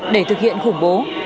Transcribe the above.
để thực hiện khủng bố